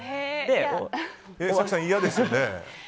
早紀さん、嫌ですよね？